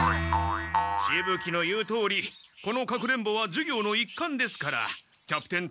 しぶ鬼の言うとおりこの隠れんぼは授業の一環ですからキャプテン達